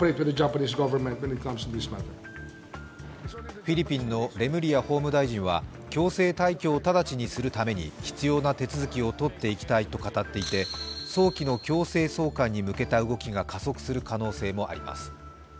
フィリピンのレムリヤ法務大臣は強制退去を直ちにするために必要な手続きを取っていきたいと語っていて、早期の強制送還に向けた動きが加速する可能性もあります。